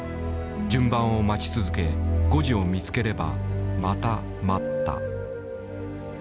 順番を待ち続け誤字を見つければまた待った。